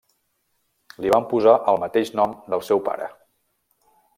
Li van posar el mateix nom del seu pare.